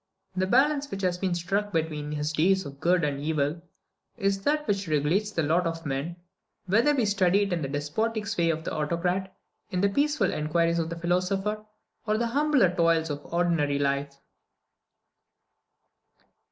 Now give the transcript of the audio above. The balance which has been struck between his days of good and evil, is that which regulates the lot of man, whether we study it in the despotic sway of the autocrat, in the peaceful inquiries of the philosopher, or in the humbler toils of ordinary life.